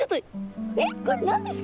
えっこれ何ですか？